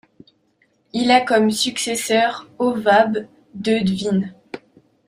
Il a comme successeur Hovab de Dvin.